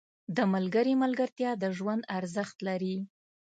• د ملګري ملګرتیا د ژوند ارزښت لري.